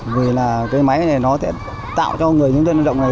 vì là cái máy này nó sẽ tạo cho người nông dân lao động này